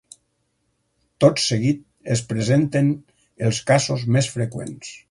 Tot seguit es presenten els casos més freqüents.